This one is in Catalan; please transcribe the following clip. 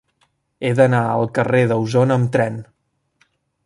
He d'anar al carrer d'Ausona amb tren.